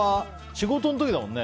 仕事の時だもんね。